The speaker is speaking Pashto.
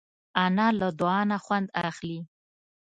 انا له دعا نه خوند اخلي